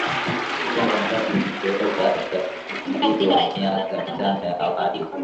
jambo ambalo lisingeweza hata kufikiriwa miaka mitano ya awali